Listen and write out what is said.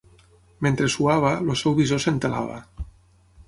Mentre suava, el seu visor s'entelava.